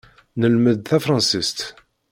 Nemled tafṛansist.